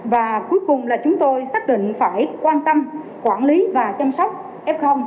và cuối cùng là chúng tôi xác định phải quan tâm quản lý và chăm sóc f